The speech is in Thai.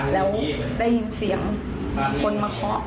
แล้วได้ยินเสียงคนมาเคาะ